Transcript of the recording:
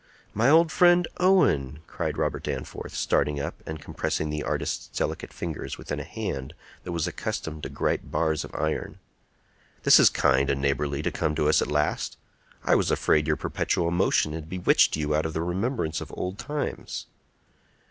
"My old friend Owen!" cried Robert Danforth, starting up, and compressing the artist's delicate fingers within a hand that was accustomed to gripe bars of iron. "This is kind and neighborly to come to us at last. I was afraid your perpetual motion had bewitched you out of the remembrance of old times."